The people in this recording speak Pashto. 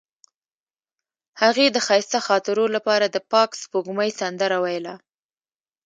هغې د ښایسته خاطرو لپاره د پاک سپوږمۍ سندره ویله.